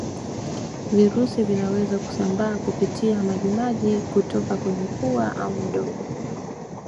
Virusi vinaweza kusambaa kupitia maji maji kutoka kwenye pua au mdomo